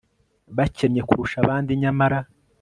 bakennye kurusha abandi nyamara